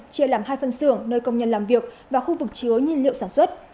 chia làm hai phân xưởng nơi công nhân làm việc và khu vực chứa nhiên liệu sản xuất